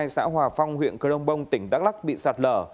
xã hòa phong huyện cờ đông bông tỉnh đắk lắc bị sạt lở